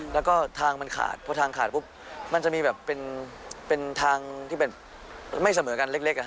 แล้วก็ทางมันขาดพอทางขาดปุ๊บมันจะมีแบบเป็นทางที่แบบไม่เสมอกันเล็ก